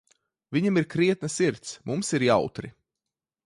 Viņam ir krietna sirds, mums ir jautri.